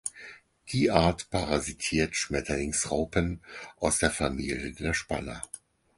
Die Art parasitiert Schmetterlingsraupen aus der Familie der Spanner.